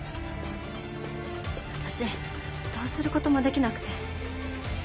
私どうすることも出来なくて。